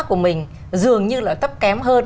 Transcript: của mình dường như là tấp kém hơn